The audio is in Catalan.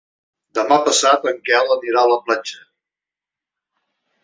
Demà passat en Quel anirà a la platja.